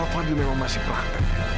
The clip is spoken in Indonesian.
kalau fadil memang masih praktek